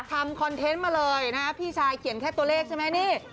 คอนเทนต์มาเลยนะพี่ชายเขียนแค่ตัวเลขใช่ไหมนี่